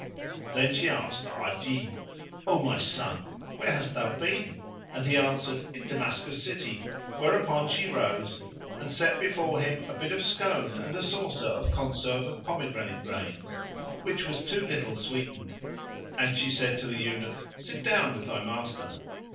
Then she asked Ajib, "O my son! where hast thou been?"; and he answered, "In Damascus city;" Whereupon she rose and set before him a bit of scone and a saucer of conserve of pomegranate grains (which was too little sweetened), and she said to the Eunuch, "Sit down with thy master!"